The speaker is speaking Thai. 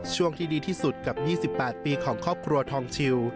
ช่วงที่ดีที่สุดกับ๒๘ปีของครอบครัวทองชิว